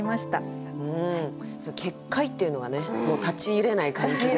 「結界」っていうのがね立ち入れない感じがね。